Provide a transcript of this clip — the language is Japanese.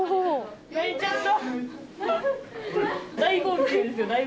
泣いちゃった。